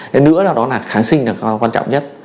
thế nữa là đó là kháng sinh là quan trọng nhất